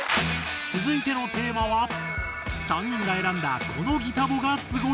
続いてのテーマは３人が選んだ「このギタボがスゴい」。